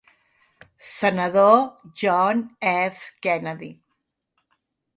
Senador John F. Kennedy.